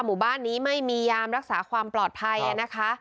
หมู่บ้านนี้ไม่มียามรักษาความปลอดภัยนะคะ